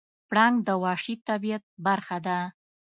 پړانګ د وحشي طبیعت برخه ده.